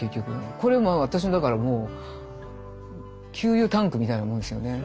これ私のだからもう給油タンクみたいなものですよね。